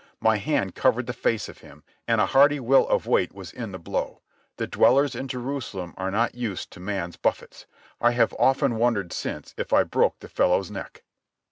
My hand covered the face of him, and a hearty will of weight was in the blow. The dwellers in Jerusalem are not used to man's buffets. I have often wondered since if I broke the fellow's neck.